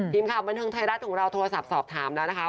ทีมข่าวบันเทิงไทยรัฐของเราโทรศัพท์สอบถามแล้วนะคะ